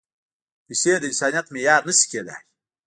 پېسې د انسانیت معیار نه شي کېدای.